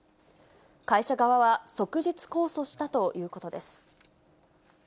会社側は即日控訴したということです。